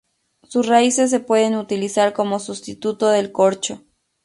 Sus raíces se pueden utilizar como sustituto del corcho.